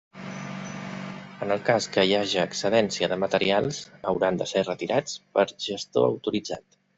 En el cas que hi haja excedència de materials, hauran de ser retirats per gestor autoritzat.